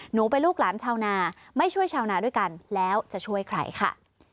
หนูเป็นลูกหลานชาวนาไม่ช่วยชาวนาด้วยกันแล้วจะช่วยใครค่ะ